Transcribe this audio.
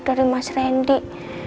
dari mas randy